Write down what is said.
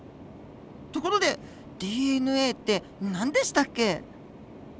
ところでＤＮＡって何でしたっけ？